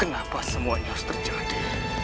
kenapa semuanya terjadi